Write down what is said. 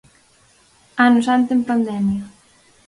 Ano Santo en pandemia.